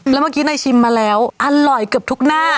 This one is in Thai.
แล้วเมื่อกี้นายชิมมาแล้วอร่อยเกือบทุกหน้า